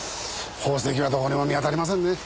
宝石はどこにも見当たりませんね。